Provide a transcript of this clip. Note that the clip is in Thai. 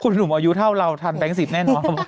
คุณหนุ่มอายุเท่าเราทันแบงค์๑๐แน่นอน